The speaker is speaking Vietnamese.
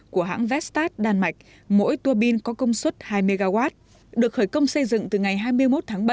của hãng vestat đan mạch mỗi tuôi pin có công suất hai mw được khởi công xây dựng từ ngày hai mươi một tháng bảy